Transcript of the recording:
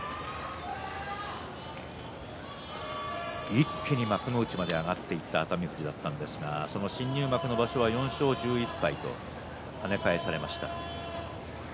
一気に幕内まで上がっていった熱海富士ですが新入幕の場所は４勝１１敗と跳ね返されました。